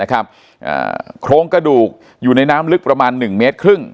โครงกระดูกอยู่ในน้ำลึกประมาณ๑เมตรครึ่ง